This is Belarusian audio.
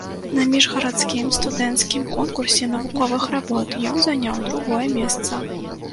На міжгарадскім студэнцкім конкурсе навуковых работ ён заняў другое месца.